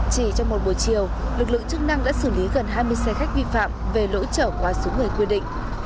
chỉ trong một buổi chiều lực lượng chức năng đã xử lý gần hai mươi xe khách vi phạm về lỗi trở qua số người quy định